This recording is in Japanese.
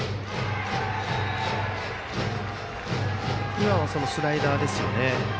今もスライダーですね。